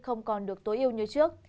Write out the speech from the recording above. không còn được tối ưu như trước